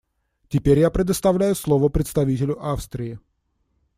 Теперь я предоставляю слово представителю Австрии.